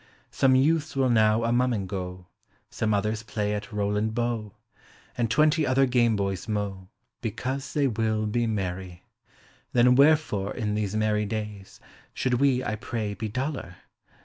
Some youths will now a mumming go, Some others play at Rowland bo, And twenty other game boys mo, Because they will be merry. Then wherefore, in these merry days, Should we, I pray, be duller?